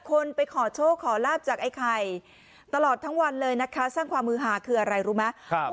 คนไปขอโชคขอลาบจากไอ้ไข่ตลอดทั้งวันเลยนะคะสร้างความมือหาคืออะไรรู้ไหม